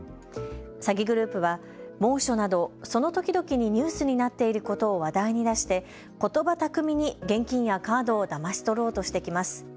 詐欺グループは猛暑などその時々にニュースになっていることを話題に出してことば巧みに現金やカードをだまし取ろうとしてきます。